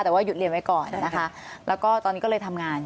แต่ว่าหยุดเรียนไว้ก่อนนะคะแล้วก็ตอนนี้ก็เลยทำงาน